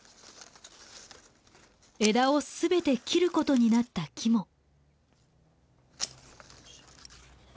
枝を全て切ることになった木も。